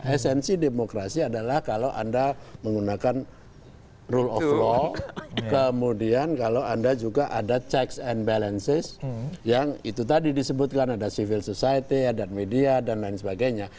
esensi demokrasi adalah kalau anda menggunakan rule of law kemudian kalau anda juga ada checks and balances yang itu tadi disebutkan ada civil society adat media dan lain sebagainya